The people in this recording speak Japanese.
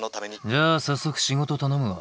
じゃあ早速仕事頼むわ。